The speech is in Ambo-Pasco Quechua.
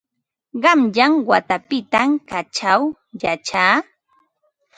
Qanyan watapitam kaćhaw yachaa.